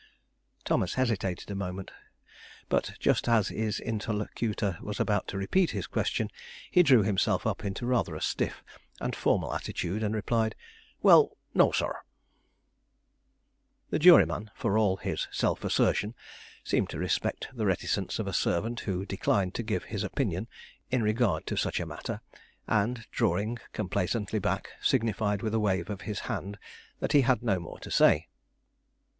Thomas hesitated a moment. But just as his interlocutor was about to repeat his question, he drew himself up into a rather stiff and formal attitude and replied: "Well, sir, no." The juryman, for all his self assertion, seemed to respect the reticence of a servant who declined to give his opinion in regard to such a matter, and drawing complacently back, signified with a wave of his hand that he had no more to say.